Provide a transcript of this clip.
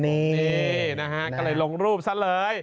นี้น้าฮะก็เลยลงรูปแสดนเลย